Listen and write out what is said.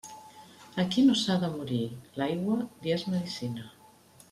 A qui no s'ha de morir, l'aigua li és medecina.